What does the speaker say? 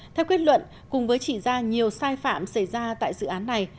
theo kết luận cùng với chỉ ra nhiều sai phạm xảy ra tại dự án này